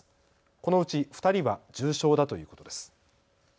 このうち２人は重症だということです。